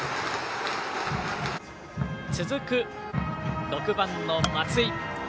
続く６番の松井。